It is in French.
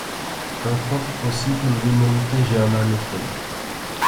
On compte aussi une minorité germanophone.